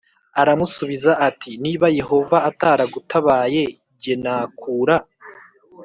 Aramusubiza ati niba yehova ataragutabaye jye nakura